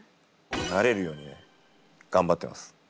なれるように頑張ってます。